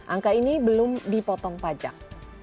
angka ini belum dipotong pajak